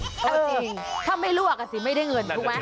เอาจริงถ้าไม่ลวกอ่ะสิไม่ได้เงินถูกไหม